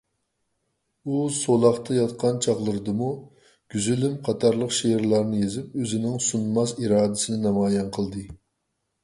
ئۇ سولاقتا ياتقان چاغلىرىدىمۇ «گۈزىلىم» قاتارلىق شېئىرلارنى يېزىپ، ئۆزىنىڭ سۇنماس ئىرادىسىنى نامايان قىلدى.